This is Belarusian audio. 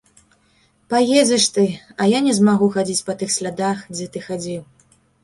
Паедзеш ты, я не змагу хадзіць па тых слядах, дзе ты хадзіў.